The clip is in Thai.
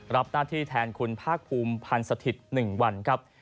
รับหน้าที่แทนคุณภาคภูมิพันธ์สถิตย์๑วันครับ